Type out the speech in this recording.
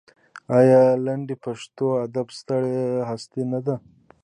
آیا لنډۍ د پښتو ادب ستره هستي نه ده؟